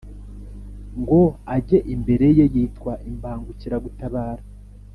ngo age imbere ye, Yitwa imbagukira gutabara